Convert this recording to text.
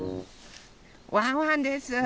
ワンワンです。